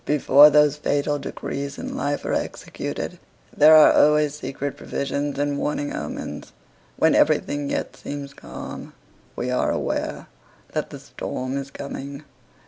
Before those fatal decrees in life are executed, there are always secret previsions and warning omens. When everything yet seems calm, we are aware that the storm is coming.